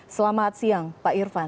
selamat siang pak irfan